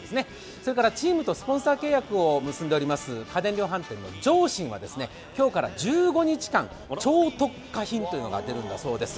それからチームとスポンサー契約を結んでおります、家電量販店・ジョーシンは今日から１５日間、超特価品というのが出るんだそうです。